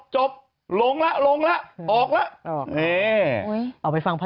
จบลงแล้วออกแล้ว